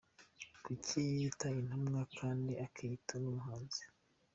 Kuki yiyita intumwa kandi akiyita n’umuhanuzi